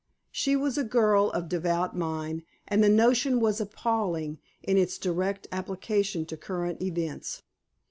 She was a girl of devout mind, and the notion was appalling in its direct application to current events.